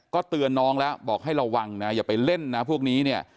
เตือนน้องแล้วบอกให้ระวังนะอย่าไปเล่นนะพวกนี้เนี่ย